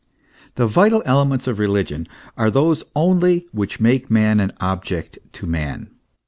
The vital ele ments of religion are those only which make man an object to man.